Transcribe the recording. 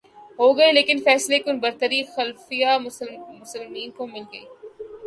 ہوگئے لیکن فیصلہ کن برتری خلیفتہ المسلمین کو مل گئ